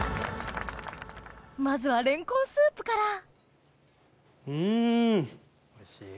まずはレンコンスープからうん！